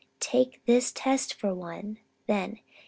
Take this test for one, then.